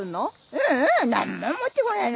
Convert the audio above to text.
ううん何も持ってこないよ。